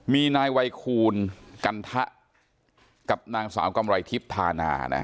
มีนายวัยคูณกันทะกับนางสาวกำไรทิพย์ธานา